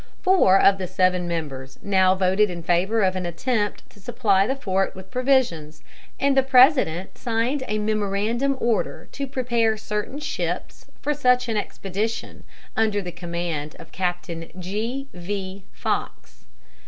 Four of the seven members now voted in favor of an attempt to supply the fort with provisions, and the President signed a memorandum order to prepare certain ships for such an expedition, under the command of Captain G.V. Fox.